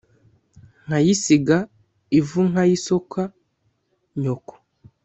nkayisiga ivunkayisoka nyoko